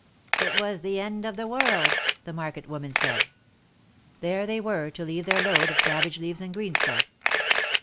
'^It was the end of the world," the market woman said. There they were to leave their load of cabbage leaves and green stuff.